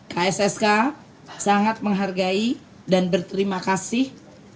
kssk sangat menghargai dan berterima kasih